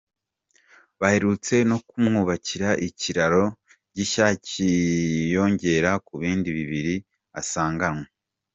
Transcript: Baherutse no kumwubakira ikiraro gishya cyiyongera ku bindi bibiri asanganwe.